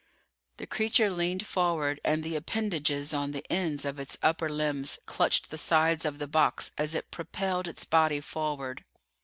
The creature leaned forward and the appendages on the ends of its upper limbs clutched the sides of the box as it propelled its body forward.